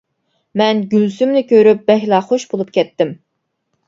مەن گۈلسۈمنى كۆرۈپ بەكلا خۇش بولۇپ كەتتىم.